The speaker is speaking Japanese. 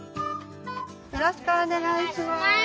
よろしくお願いします。